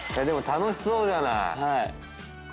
⁉でも楽しそうじゃない。